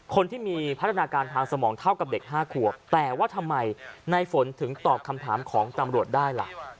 คนที่มีพัฒนาการทางสมองเท่ากับเด็ก๕ขวบแต่ว่าทำไมในฝนถึงตอบคำถามของตำรวจได้ล่ะ